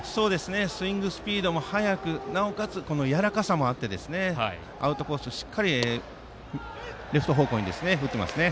スイングスピードも速くなおかつ、やわらかさもあってアウトコースをしっかりレフト方向に打っていますね。